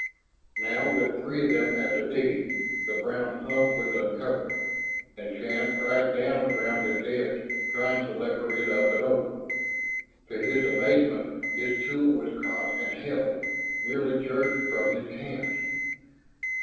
Now, with three of them at the digging, the brown hump was uncovered, and Shann pried down around its edge, trying to lever it up and over. To his amazement, his tool was caught and held, nearly jerked from his hands.